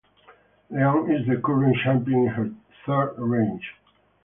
Leon is the current champion in her third reign.